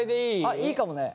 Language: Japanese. あっいいかもね。